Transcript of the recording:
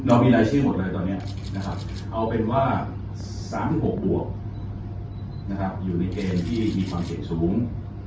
มีรายชื่อหมดเลยตอนนี้นะครับเอาเป็นว่า๓๖บวกอยู่ในเกณฑ์ที่มีความเสี่ยงสูง